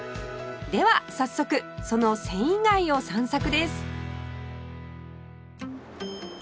では早速その繊維街を散策です